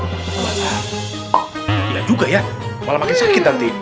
enggak juga ya malah makin sakit nanti